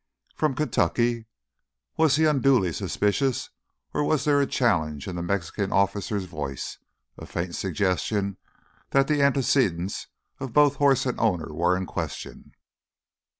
"From Kentucky." Was he unduly suspicious or was there a challenge in the Mexican officer's voice—a faint suggestion that the antecedents of both horse and owner were in question?